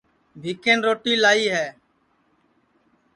بھیکن روٹی لائی ہے